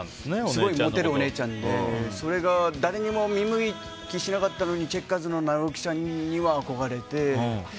すごいモテるお姉ちゃんでそれが誰も見向きしなかったのにチェッカーズの尚之さんには憧れて。